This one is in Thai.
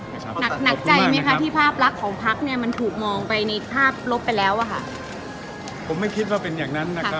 หนักใจไหมคะที่ภาพรักของภักดิ์เนี่ยมันถูกมองไปในภาพลบไปแล้วอะค่ะ